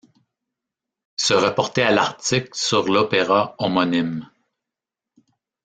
Se reporter à l'article sur l'opéra homonyme.